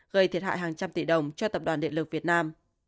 gây thiệt hại hàng trăm tỷ đồng cho tập đoàn điện lực việt nam